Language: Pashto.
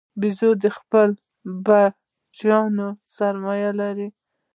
بیزو د خپلو بچیانو سره مینه لري.